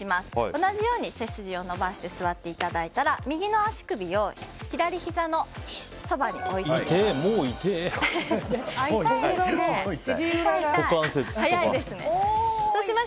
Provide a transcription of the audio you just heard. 同じように背筋を伸ばして座っていただいたら右の足首を左ひざのそばに置いてもらいます。